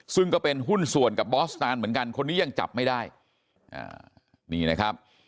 ซึ่งก็เป็นหุ้นส่วนกับบอสตานเหมือนกันคนนี้ยังจับไม่ได้นี่นะครับ